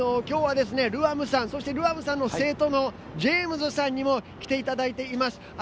きょうはルアムさん、そしてルアムさんの生徒のジェームスさんにも来ていただいています。